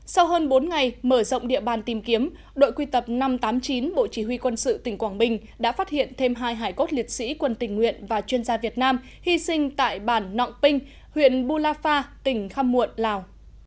sau hơn bốn ngày mở rộng địa bàn tìm kiếm đội quy tập năm trăm tám mươi chín bộ chỉ huy quân sự tỉnh quảng bình đã phát hiện thêm hai hải cốt liệt sĩ quân tình nguyện và chuyên gia việt nam hy sinh tại bản nọng pinh huyện bu la pha tỉnh khăm muộn lào